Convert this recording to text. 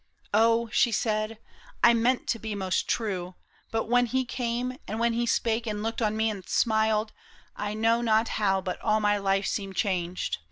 " Oh !" she said, " I meant to be most true ; but when he came. And when he spake and looked on me and smiled, I know not how but all my life seemed changed.